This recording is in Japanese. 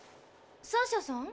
サーシャさん？